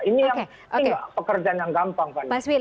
ini pekerjaan yang gampang fani